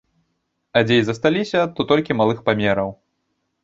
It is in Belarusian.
А дзе і засталіся, то толькі малых памераў.